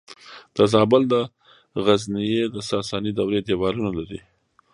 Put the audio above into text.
د زابل د غزنیې د ساساني دورې دیوالونه لري